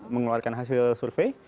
mengeluarkan hasil survei